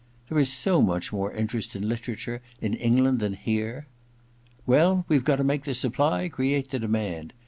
* There is so much more interest in literature in England than here.' * Well, we've got to make the supply create the demand.